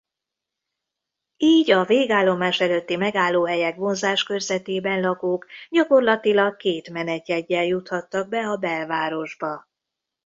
Így a végállomás előtti megállóhelyek vonzáskörzetében lakók gyakorlatilag két menetjeggyel juthattak be a belvárosba.